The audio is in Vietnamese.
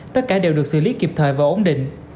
tất cả đều được xử lý kịp thời và ổn định